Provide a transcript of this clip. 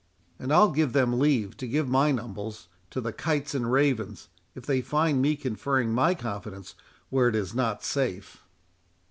—And I'll give them leave to give mine umbles to the kites and ravens if they find me conferring my confidence where it is not safe."